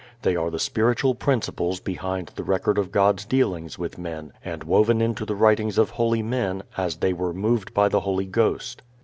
They are the spiritual principles behind the record of God's dealings with men, and woven into the writings of holy men as they "were moved by the Holy Ghost."